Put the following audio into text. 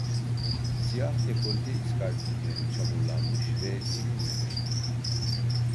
Siyah dekolte iskarpinleri çamurlanmış ve silinmemişti.